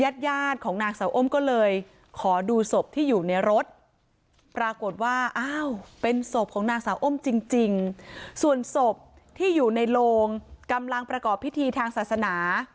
จริงส่วนศพที่อยู่ในโรงกำลังประกอบพิธีทางศาสนา